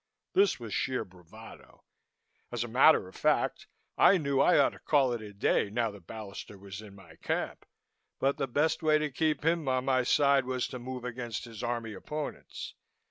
This was sheer bravado. As a matter of fact, I knew I ought to call it a day now that Ballister was in my camp but the best way to keep him on my side was to move against his Army opponents.